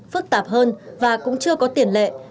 phức tạp hơn và cũng chưa có tiền lệ